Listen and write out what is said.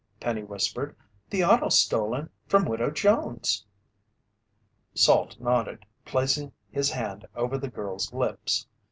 Penny whispered. "The auto stolen from Widow Jones!" Salt nodded, placing his hand over the girl's lips.